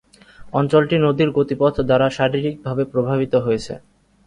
অঞ্চলটি নদীর গতিপথ দ্বারা শারীরিকভাবে প্রভাবিত হয়েছে।